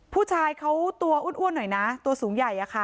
ผู้ชายเขาตัวอ้วนหน่อยนะตัวสูงใหญ่อะค่ะ